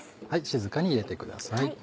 静かに入れてください。